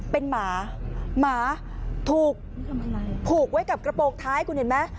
เป็นหมาหมาถูกผูกไว้กับกระโปรงท้ายคุณเห็นไหม